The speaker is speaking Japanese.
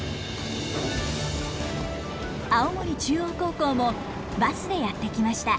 青森中央高校もバスでやって来ました。